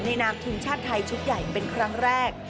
นามทีมชาติไทยชุดใหญ่เป็นครั้งแรก